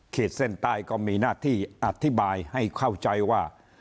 เส้นใต้ก็มีหน้าที่อธิบายให้เข้าใจว่า